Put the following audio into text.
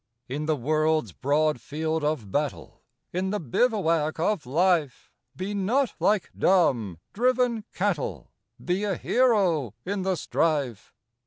In the world's broad field of battle, In the bivouac of Life, Be not like dumb, driven cattle ! Be a hero in the strife